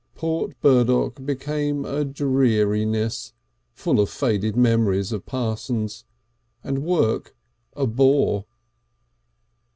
Port Burdock became a dreariness full of faded memories of Parsons and work a bore.